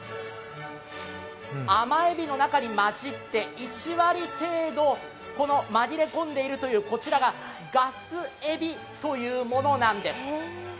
甘エビの中にまじって１割程度この紛れ込んでいるというこちらがガスエビというものなんです。